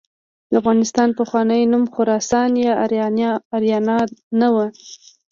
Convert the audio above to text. د افغانستان پخوانی نوم خراسان یا آریانا نه و.